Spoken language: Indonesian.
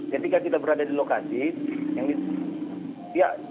ketika kita berada di lokasi